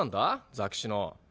ザキシノ。